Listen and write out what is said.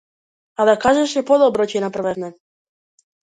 А да кажеше подобро ќе направеше.